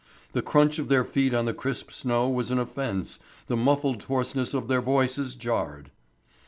The crunch of their feet on the crisp snow was an offence, the muffled hoarseness of their voices jarred.